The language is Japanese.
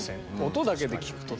音だけで聴くとね